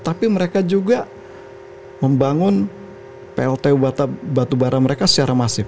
tapi mereka juga membangun plt batubara mereka secara masif